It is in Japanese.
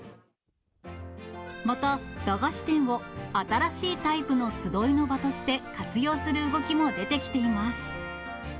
また、駄菓子店を新しいタイプの集いの場として活用する動きも出てきています。